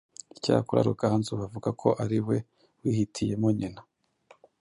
Icyakora Ruganzu bavuga ko ari we wihitiyemo nyina,